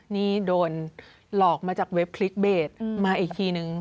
นี่โดนหลอกมาจากเว็บคลิกเบสมาอีกทีนึง